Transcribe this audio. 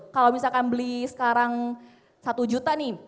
kalau misalkan beli sekarang satu juta nih